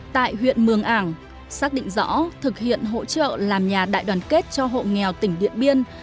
tại huyện mường ảng xác định rõ thực hiện hỗ trợ làm nhà đại đoàn kết cho hộ nghèo tỉnh điện biên